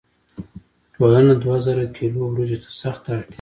ټولنه دوه زره کیلو وریجو ته سخته اړتیا لري.